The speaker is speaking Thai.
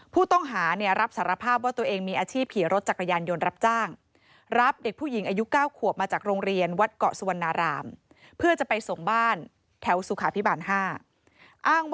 ผู้ต้องหารับสารภาพว่าตัวเอง